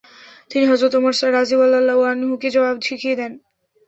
তিনি হযরত ওমর রাযিয়াল্লাহু আনহু-কে জবাব শিখিয়ে দেন।